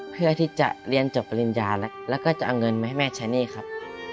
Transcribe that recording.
เพื่อที่จะเรียนจบปริญญาแล้วก็จะเอาเงินมาให้แม่ใช้หนี้ครับ